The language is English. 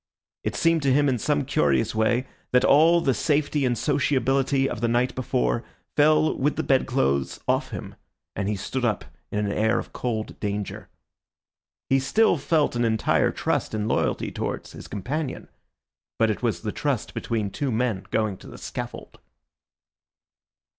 It seemed to him in some curious way that all the safety and sociability of the night before fell with the bedclothes off him, and he stood up in an air of cold danger. He still felt an entire trust and loyalty towards his companion; but it was the trust between two men going to the scaffold.